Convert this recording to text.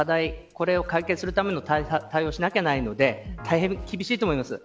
これを解決するための対応をしなければいけないので大変、厳しいと思います。